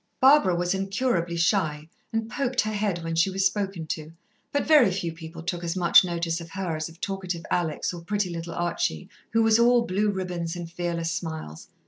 Barbara was incurably shy, and poked her head when she was spoken to, but very few people took as much notice of her as of talkative Alex or pretty little Archie, who was all blue ribbons and fearless smiles.